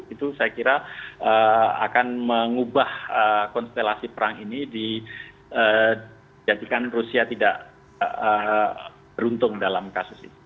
itu saya kira akan mengubah konstelasi perang ini dijadikan rusia tidak beruntung dalam kasus ini